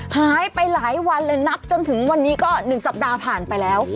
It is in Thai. หายไปหลายวันเลยนับจนถึงวันนี้ก็๑สัปดาห์ผ่านไปแล้ว